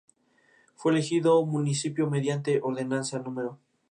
Fue elegido municipio mediante Ordenanza No.